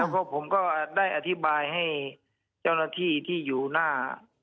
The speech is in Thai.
เพราะผมก็ได้อธิบายให้เจ้าหน้าที่ที่อยู่หน้า